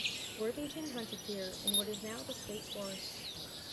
Worthington hunted deer in what is now the State Forest.